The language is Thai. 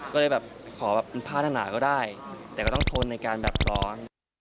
ก็เลยแบบขอแบบพัฒนาก็ได้แต่ก็ต้องทนในการแบบร้อน